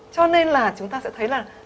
cho nên là chúng ta sẽ thấy là